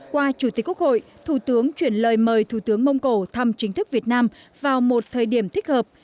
qua chủ tịch quốc hội thủ tướng chuyển lời mời thủ tướng mông cổ thăm chính thức việt nam vào một thời điểm thích hợp